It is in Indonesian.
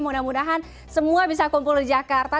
mudah mudahan semua bisa kumpul di jakarta